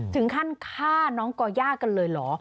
ถึงข้าน้องก็ย่ากันเลยหรอ